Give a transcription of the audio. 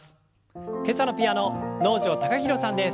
今朝のピアノ能條貴大さんです。